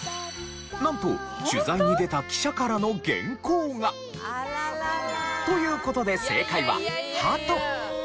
なんと取材に出た記者からの原稿が。という事で正解は鳩。